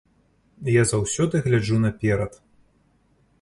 Я заўсёды гляджу наперад.